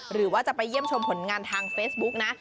หรือว่าจะไปเยี่ยมชมผลงานทางเฟซบุ๊กนะ